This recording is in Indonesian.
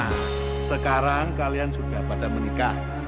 nah sekarang kalian sudah pada menikah